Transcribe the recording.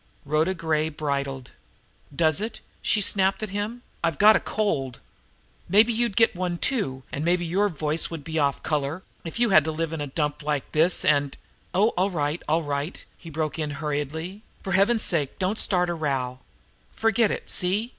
Rhoda Gray bridled. "Does it?" she snapped at him. "I've got a cold. Maybe you'd get one too, and maybe your voice would be off color, if you had to live in a dump like this, and " "Oh, all right, all right!" he broke in hurriedly. "For Heaven's sake don't start a row! Forget it! See?